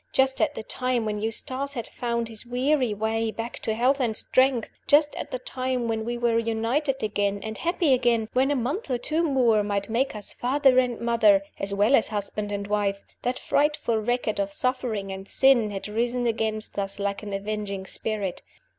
Just at the time when Eustace had found his weary way back to health and strength; just at the time when we were united again and happy again when a month or two more might make us father and mother, as well as husband and wife that frightful record of suffering and sin had risen against us like an avenging spirit.